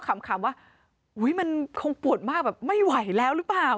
คำว่ามันคงปวดมากแบบไม่ไหวแล้วหรือเปล่า